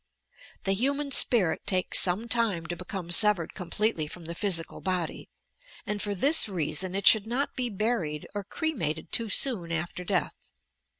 The human spirit takes some time to become severed completely from the physical body, and for this reason it should not be buried or cremated too soon after death.